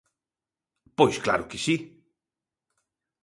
Pois claro que si.